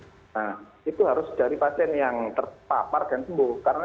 bisa mendonorkan itu itu harus dari pasien yang terpapar dan sembuh karena